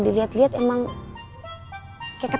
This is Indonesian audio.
ini kalau aa